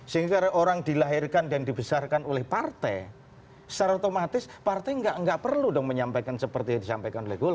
sehingga orang dilahirkan dan dibesarkan oleh partai secara otomatis partai nggak perlu dong menyampaikan seperti yang disampaikan oleh golkar